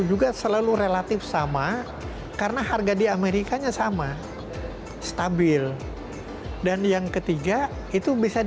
jadi sudah kayak toge gitu